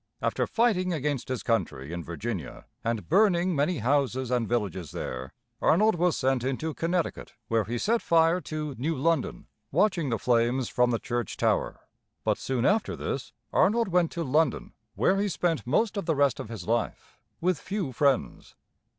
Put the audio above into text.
After fighting against his country in Virginia, and burning many houses and villages there, Arnold was sent into Connecticut, where he set fire to New London, watching the flames from the church tower. But soon after this Arnold went to London, where he spent most of the rest of his life, with few friends.